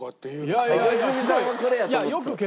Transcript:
すごい！良純さんはこれやと思った？